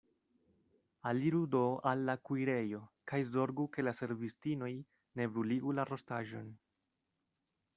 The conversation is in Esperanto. Aliru do al la kuirejo, kaj zorgu, ke la servistinoj ne bruligu la rostaĵon.